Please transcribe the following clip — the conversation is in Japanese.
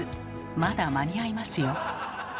まだ間に合いますよ。